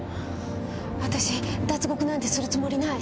私脱獄なんてするつもりない。